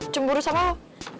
cemburu sama lo